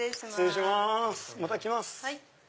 また来ます。